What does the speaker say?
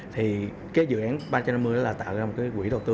thì cái dự án ba trăm năm mươi đó là tạo ra một cái quỹ đầu tư